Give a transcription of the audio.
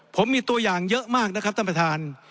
ผมมีตัวอย่างเยอะมากนะครับท่านประธาน